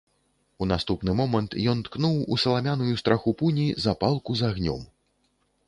У наступны момант ён ткнуў у саламяную страху пуні запалку з агнём.